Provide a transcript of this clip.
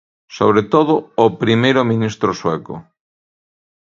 Sobre todo, o primeiro ministro sueco.